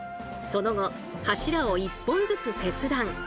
その後柱を１本ずつ切断。